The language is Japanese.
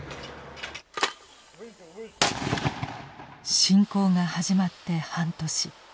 侵攻が始まって半年。